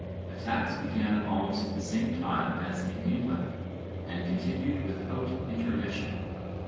Attacks began almost at the same time as in England and continued without intermission.